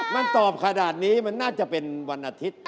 มันตอบขนาดนี้มันน่าจะเป็นวันอาทิตย์